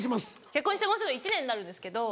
結婚してもうすぐ１年になるんですけど。